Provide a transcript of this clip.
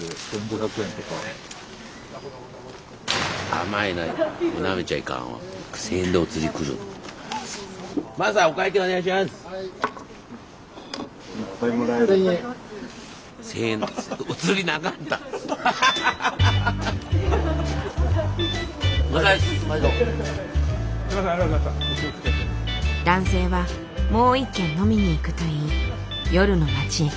男性は「もう一軒飲みに行く」と言い夜の街へ消えていった。